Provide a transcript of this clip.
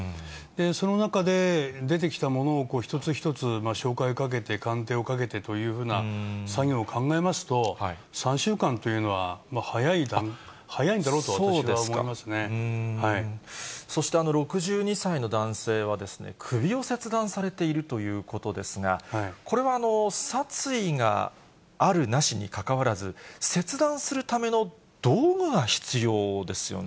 その中で、出てきたものを一つ一つ照会をかけて、鑑定をかけてというような作業を考えますと、３週間というのは、早い、そして、６２歳の男性は、首を切断されているということですが、これは殺意があるなしにかかわらず、切断するための道具が必要ですよね。